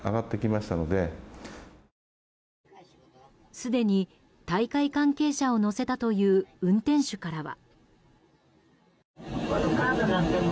すでに大会関係者を乗せたという運転手からは。